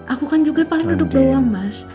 aku kan juga paling duduk bawang mas